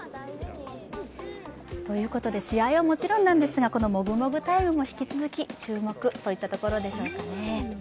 ということで試合はもちろんなんですが、このもぐもぐタイムも引き続き注目というところですね。